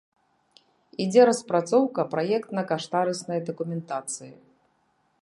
Ідзе распрацоўка праектна-каштарыснай дакументацыі.